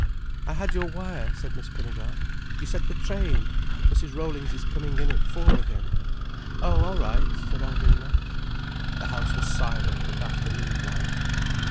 "I had your wire," said Miss Pinnegar. "You said the train. Mrs. Rollings is coming in at four again—" "Oh all right—" said Alvina. The house was silent and afternoon like.